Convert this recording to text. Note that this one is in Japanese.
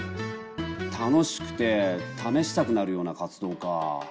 楽しくて試したくなるような活動か。